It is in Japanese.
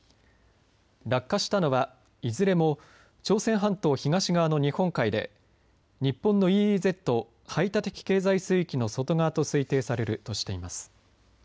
落下したのは、いずれも朝鮮半島東側の日本海で日本のＥＥＺ排他的経済水域の外側と推定されるとしています。